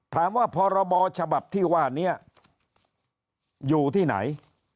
พรบฉบับที่ว่านี้อยู่ที่ไหน